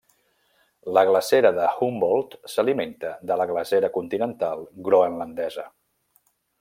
La glacera de Humboldt s'alimenta de la Glacera continental groenlandesa.